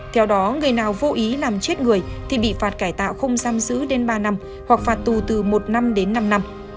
theo đó người nào vô ý làm chết người thì bị phạt cải tạo không giam giữ đến ba năm hoặc phạt tù từ một năm đến năm năm